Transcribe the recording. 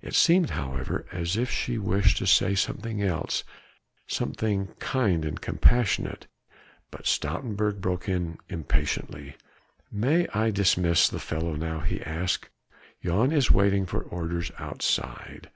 It seemed however, as if she wished to say something else, something kind and compassionate, but Stoutenburg broke in impatiently: "May I dismiss the fellow now?" he asked. "Jan is waiting for orders outside."